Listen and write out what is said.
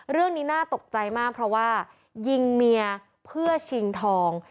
เรื่องนี้น่าตกใจมากเพราะว่ายิงเมียเพื่อชิงทอง